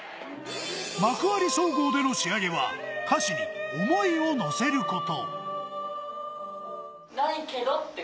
幕張総合での仕上げは、歌詞に想いをのせること。